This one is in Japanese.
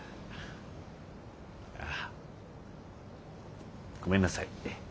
あごめんなさい。